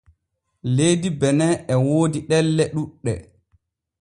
Leydi Bene e woodi ɗelle ɗuuɗɗe.